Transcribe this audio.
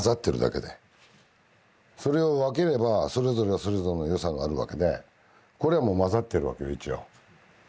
それを分ければそれぞれがそれぞれのよさがあるわけでこれはもう混ざってるわけ一応。